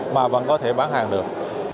mà vẫn có thể bán hàng được